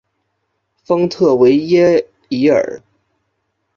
丰特维耶伊尔。